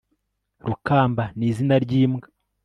rukamba ni izina ry'imbwa